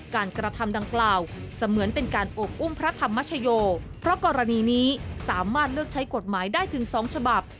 กระทำดังกล่าวเสมือนเป็นการโอบอุ้มพระธรรมชโยเพราะกรณีนี้สามารถเลือกใช้กฎหมายได้ถึง๒ฉบับ